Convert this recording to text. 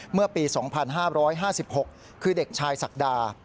เมื่อปี๒๕๕๖คือเด็กชายศักดา